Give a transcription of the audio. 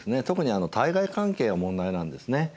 特に対外関係が問題なんですね。